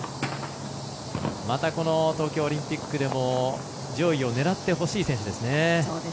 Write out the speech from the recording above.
また東京オリンピックでも上位を狙ってほしい選手ですね。